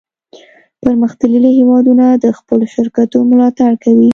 پرمختللي هیوادونه د خپلو شرکتونو ملاتړ کوي